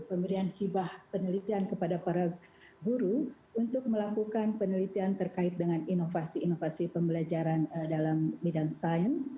pemberian hibah penelitian kepada para guru untuk melakukan penelitian terkait dengan inovasi inovasi pembelajaran dalam bidang sains